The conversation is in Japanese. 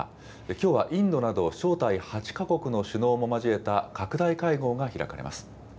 きょうはインドなど、招待８か国の首脳も交えた拡大会合が開かれます。